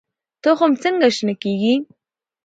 تخم څنګه شنه کیږي؟